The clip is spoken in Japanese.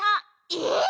えっ！？